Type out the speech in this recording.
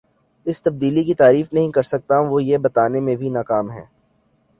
اس تبدیلی کی تعریف نہیں کر سکا وہ یہ بتانے میں بھی ناکام ہے